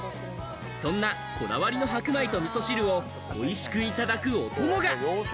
そんなこだわりの白米とみそ汁を美味しくいただくお供が。